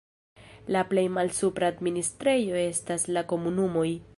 La plej malsupra administrejo estas la komunumoj.